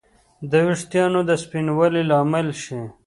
د ویښتانو د سپینوالي لامل شي